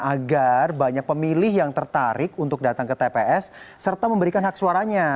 agar banyak pemilih yang tertarik untuk datang ke tps serta memberikan hak suaranya